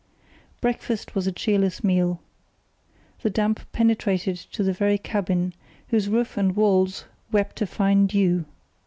Breakfast was a cheerless meal. The damp penetrated to the very cabin, whose roof and walls wept a fine dew.